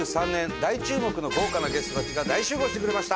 大注目の豪華なゲストたちが大集合してくれました！